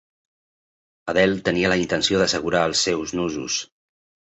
Adele tenia la intenció d'assegurar els seus nusos.